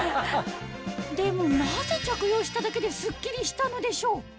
でもなぜ着用しただけですっきりしたのでしょう？